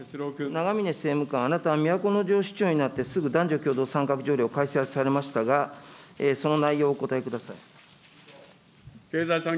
長峯政務官、あなたは都城市長になられてすぐ男女共同参画条例を改正をされましたが、その内容をお答えください。